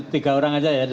tiga orang saja ya